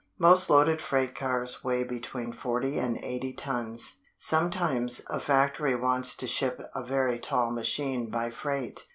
Most loaded freight cars weigh between forty and eighty tons. Sometimes a factory wants to ship a very tall machine by freight.